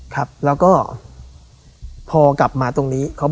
ครับแล้วก็พอกลับมาตรงนี้